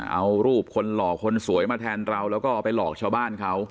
เอารูปคนหล่อคนสวยมาแทนเราแล้วก็เอาไปหลอกชาวบ้านเขา